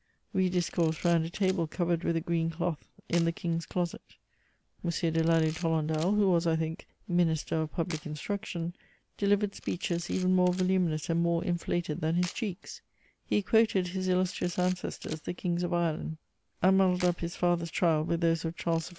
We discoursed round a table covered with a green cloth in the King's closet. M. de Lally Tolendal, who was, I think, Minister of Public Instruction, delivered speeches even more voluminous and more inflated than his cheeks: he quoted his illustrious ancestors the Kings of Ireland and muddled up his father's trial with those of Charles I.